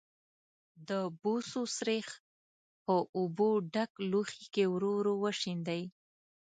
د بوسو سريښ په اوبو ډک لوښي کې ورو ورو وشیندئ.